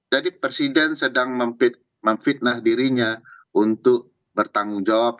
jadi presiden sedang memfitnah dirinya untuk bertanggung jawab